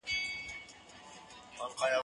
زه کولای سم کتابونه وليکم؟؟